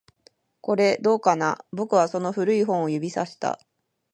これ、どうかな？僕はその古い本を指差した